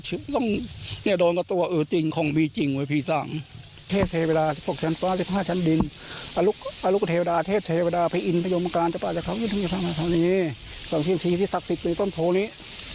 อยู่ทั้งแบบนี้สรรค์ชินภาษาศีที่ศักดิ์ศิริต้นโทรนี้